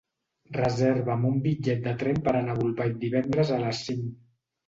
Reserva'm un bitllet de tren per anar a Bolbait divendres a les cinc.